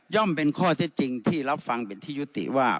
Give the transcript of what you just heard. เป็นข้อเท็จจริงที่รับฟังเป็นที่ยุติว่า